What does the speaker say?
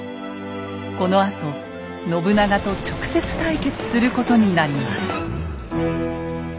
このあと信長と直接対決することになります。